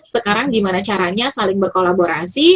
sekarang gimana caranya saling berkolaborasi